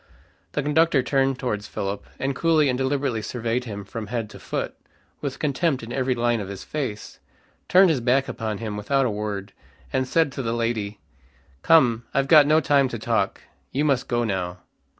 The conductor turned towards Philip, and coolly and deliberately surveyed him from head to foot, with contempt in every line of his face, turned his back upon him without a word, and said to the lady, "Come, I've got no time to talk. You must go now."